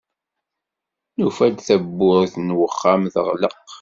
Nufa-d tawwurt n wexxam teɣleq.